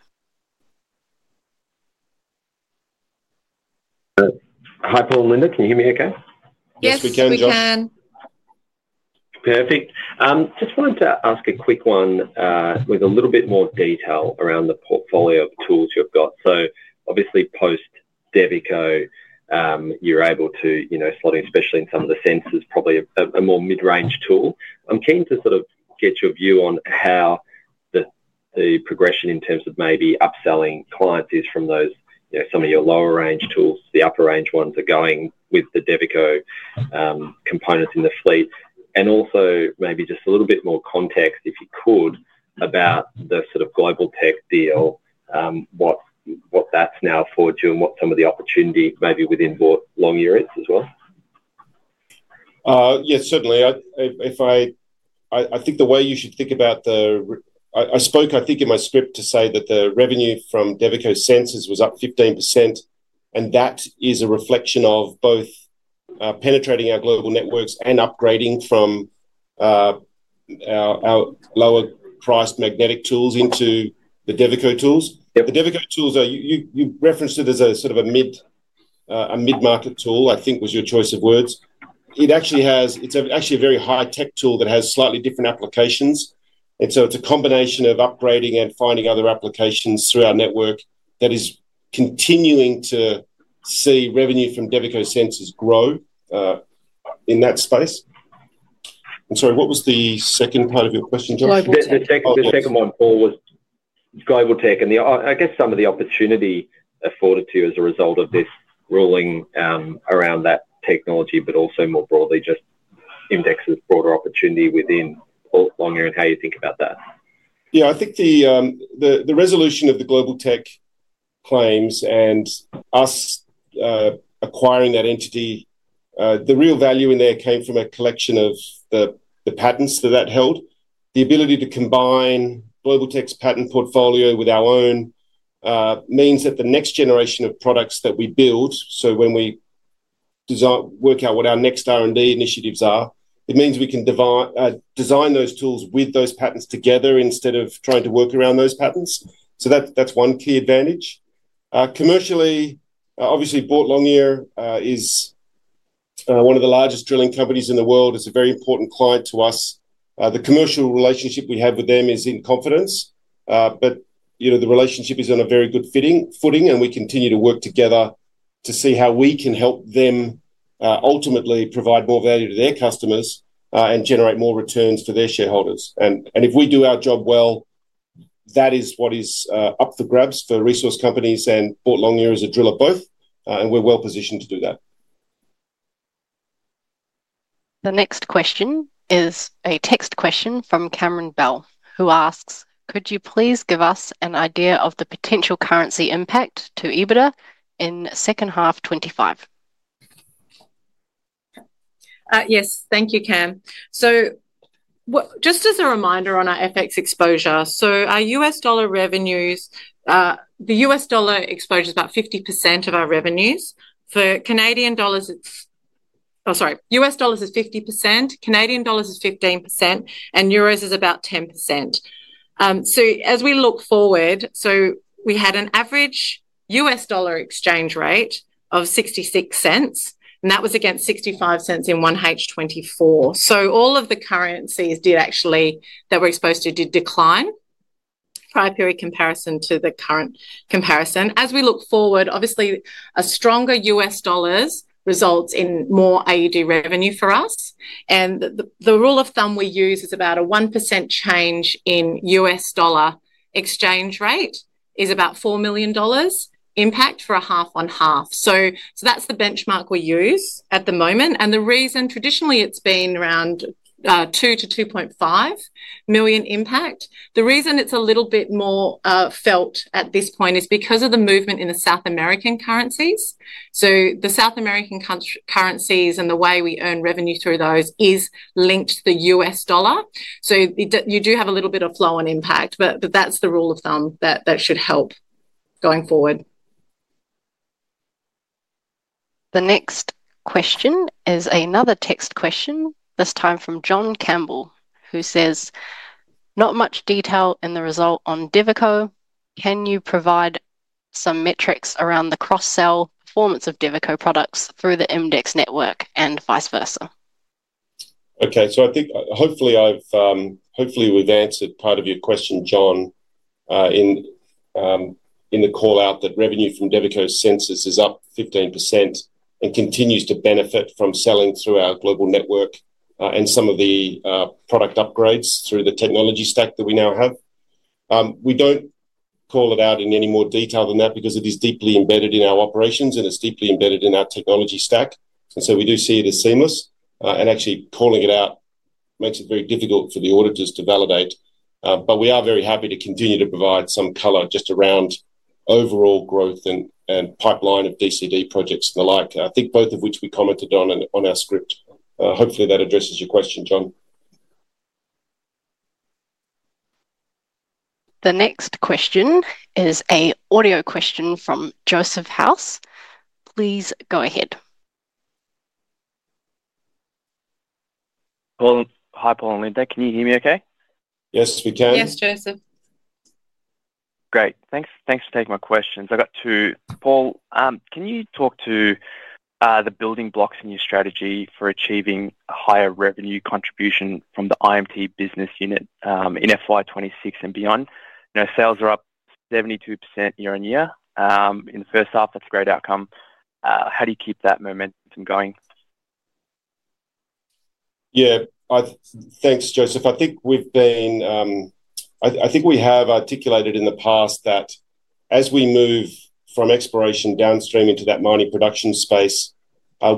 S1: Hi, Paul and Linda. Can you hear me okay?
S3: Yes, we can, Josh.
S4: Yes, we can. Perfect. Just wanted to ask a quick one with a little bit more detail around the portfolio of tools you've got. So obviously, post-Devico, you're able to slot in, especially in some of the sensors, probably a more mid-range tool. I'm keen to sort of get your view on how the progression in terms of maybe upselling clients is from some of your lower-range tools, the upper-range ones are going with the Devico components in the fleet. And also maybe just a little bit more context, if you could, about the sort of Globaltech deal, what that's now forward to and what some of the opportunity maybe within Boart Longyear is as well.
S2: Yeah, certainly. I think the way you should think about it. I spoke, I think, in my script to say that the revenue from Devico sensors was up 15%, and that is a reflection of both penetrating our global networks and upgrading from our lower-priced magnetic tools into the Devico tools. The Devico tools, you referenced it as a sort of a mid-market tool, I think was your choice of words. It's actually a very high-tech tool that has slightly different applications. And so it's a combination of upgrading and finding other applications through our network that is continuing to see revenue from Devico sensors grow in that space. I'm sorry, what was the second part of your question, Josh? The second one, Paul, was Globaltech and I guess some of the opportunity afforded to you as a result of this ruling around that technology, but also more broadly, just IMDEX's broader opportunity within long-term, how you think about that? Yeah. I think the resolution of the GlobalTech claims and us acquiring that entity, the real value in there came from a collection of the patents that that held. The ability to combine GlobalTech's patent portfolio with our own means that the next generation of products that we build, so when we work out what our next R&D initiatives are, it means we can design those tools with those patents together instead of trying to work around those patents. So that's one key advantage. Commercially, obviously, Boart Longyear is one of the largest drilling companies in the world. It's a very important client to us. The commercial relationship we have with them is in confidence, but the relationship is on a very good footing, and we continue to work together to see how we can help them ultimately provide more value to their customers and generate more returns for their shareholders, and if we do our job well, that is what is up for grabs for resource companies, and Boart Longyear is a driller of both, and we're well positioned to do that.
S1: The next question is a text question from Cameron Bell, who asks, "Could you please give us an idea of the potential currency impact to EBITDA in second half 2025?
S3: Yes. Thank you, Cam. So just as a reminder on our FX exposure, so our US dollar revenues, the US dollar exposure is about 50% of our revenues. For Canadian dollars, it's—oh, sorry, US dollars is 50%, Canadian dollars is 15%, and euros is about 10%. So as we look forward, we had an average US dollar exchange rate of 0.66, and that was against 0.65 in 1H24. So all of the currencies did actually that we're exposed to did decline prior to comparison to the current comparison. As we look forward, obviously, a stronger US dollars results in more AUD revenue for us. And the rule of thumb we use is about a 1% change in US dollar exchange rate is about 4 million dollars impact for a half-on-half. So that's the benchmark we use at the moment. And the reason traditionally it's been around 2 to 2.5 million impact. The reason it's a little bit more felt at this point is because of the movement in the South American currencies. So the South American currencies and the way we earn revenue through those is linked to the US dollar. So you do have a little bit of flow on impact, but that's the rule of thumb that should help going forward.
S1: The next question is another text question, this time from John Campbell, who says, "Not much detail in the result on Devico. Can you provide some metrics around the cross-sell performance of Devico products through the IMDEX network and vice versa?
S2: Okay, so I think hopefully we've answered part of your question, John, in the callout that revenue from Devico sensors is up 15% and continues to benefit from selling through our global network and some of the product upgrades through the technology stack that we now have. We don't call it out in any more detail than that because it is deeply embedded in our operations, and it's deeply embedded in our technology stack, and so we do see it as seamless, and actually calling it out makes it very difficult for the auditors to validate, but we are very happy to continue to provide some color just around overall growth and pipeline of DCD projects and the like. I think both of which we commented on in our script. Hopefully, that addresses your question, John.
S1: The next question is an audio question from Joseph House. Please go ahead. Hi, Paul and Linda. Can you hear me okay?
S2: Yes, we can.
S3: Yes, Joseph. Great. Thanks for taking my questions. I've got two. Paul, can you talk to the building blocks in your strategy for achieving a higher revenue contribution from the IMT business unit in FY26 and beyond? Sales are up 72% year on year. In the first half, that's a great outcome. How do you keep that momentum going?
S2: Yeah. Thanks, Joseph. I think we've been—I think we have articulated in the past that as we move from exploration downstream into that mining production space,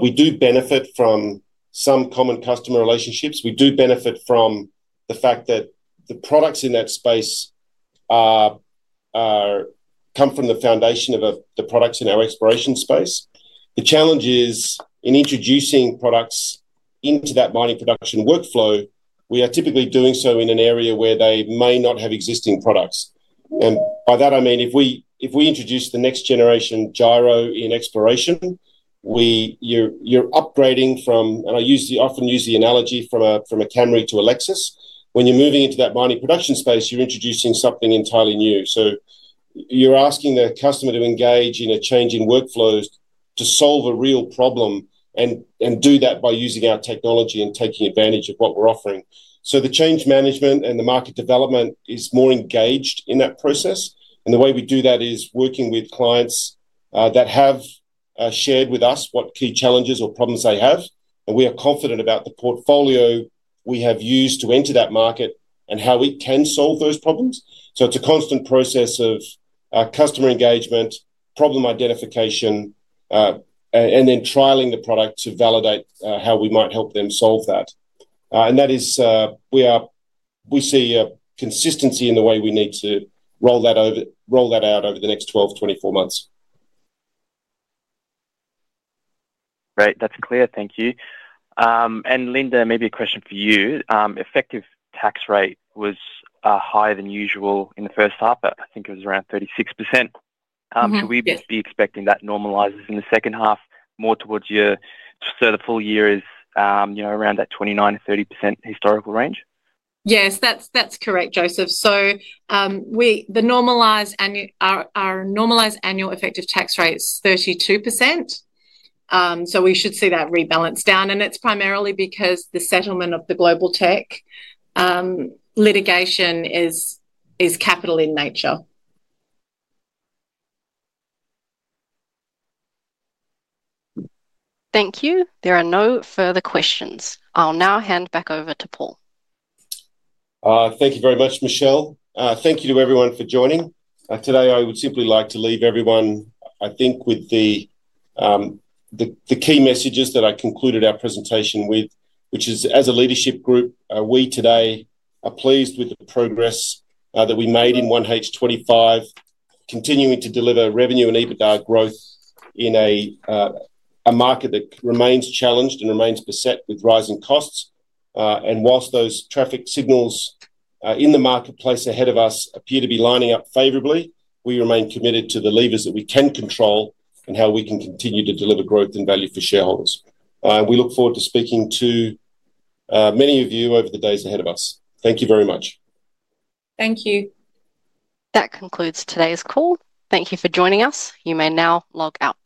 S2: we do benefit from some common customer relationships. We do benefit from the fact that the products in that space come from the foundation of the products in our exploration space. The challenge is in introducing products into that mining production workflow, we are typically doing so in an area where they may not have existing products. And by that, I mean if we introduce the next generation gyro in exploration, you're upgrading from—and I often use the analogy from a Camry to a Lexus. When you're moving into that mining production space, you're introducing something entirely new. So you're asking the customer to engage in a change in workflows to solve a real problem and do that by using our technology and taking advantage of what we're offering. So the change management and the market development is more engaged in that process. And the way we do that is working with clients that have shared with us what key challenges or problems they have. And we are confident about the portfolio we have used to enter that market and how we can solve those problems. So it's a constant process of customer engagement, problem identification, and then trialing the product to validate how we might help them solve that. And that is we see a consistency in the way we need to roll that out over the next 12-24 months. Great. That's clear. Thank you. And Linda, maybe a question for you. Effective tax rate was higher than usual in the first half, but I think it was around 36%. Should we be expecting that normalizes in the second half more towards year? So the full year is around that 29% to 30% historical range?
S3: Yes, that's correct, Joseph. So our normalized annual effective tax rate is 32%. So we should see that rebalance down. And it's primarily because the settlement of the Globaltech litigation is capital in nature.
S1: Thank you. There are no further questions. I'll now hand back over to Paul.
S2: Thank you very much, Michelle. Thank you to everyone for joining. Today, I would simply like to leave everyone, I think, with the key messages that I concluded our presentation with, which is, as a leadership group, we today are pleased with the progress that we made in 1H25, continuing to deliver revenue and EBITDA growth in a market that remains challenged and remains beset with rising costs, and whilst those traffic signals in the marketplace ahead of us appear to be lining up favorably, we remain committed to the levers that we can control and how we can continue to deliver growth and value for shareholders. We look forward to speaking to many of you over the days ahead of us. Thank you very much.
S3: Thank you.
S1: That concludes today's call. Thank you for joining us. You may now log out.